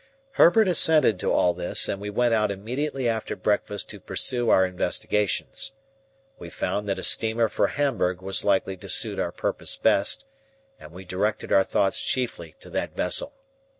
Herbert assented to all this, and we went out immediately after breakfast to pursue our investigations. We found that a steamer for Hamburg was likely to suit our purpose best, and we directed our thoughts chiefly to that vessel.